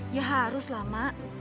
ya harus lah mak